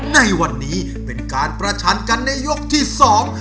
ในวันนี้เป็นการประชันกันในยกที่สอง